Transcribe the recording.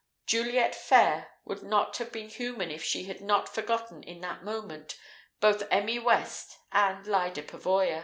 Juliet Phayre would not have been human if she had not forgotten, in that moment, both Emmy West and Lyda Pavoya.